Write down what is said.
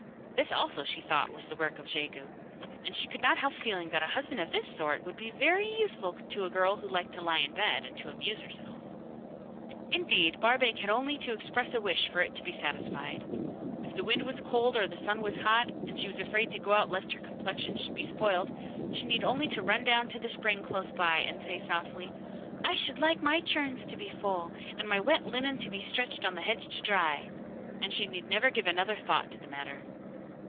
This, also, she thought was the work of Jegu, and she could not help feeling that a husband of this sort would be very useful to a girl who liked to lie in bed and to amuse herself. Indeed, Barbaik had only to express a wish for it to be satisfied. If the wind was cold or the sun was hot and she was afraid to go out lest her complexion should be spoilt, she need only to run down to the spring close by and say softly, 'I should like my churns to be full, and my wet linen to be stretched on the hedge to dry,' and she need never give another thought to the matter.